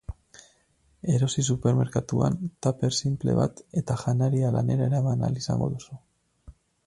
Erosi supermerkatuan tuper sinple bat eta janaria lanera eraman ahal izango duzu.